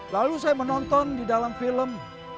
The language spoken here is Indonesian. lalu saya menonton di dalam film